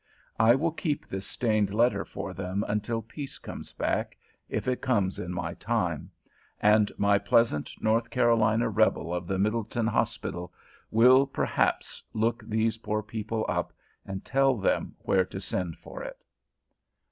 I will keep this stained letter for them until peace comes back, if it comes in my time, and my pleasant North Carolina Rebel of the Middletown Hospital will, perhaps look these poor people up, and tell them where to send for it.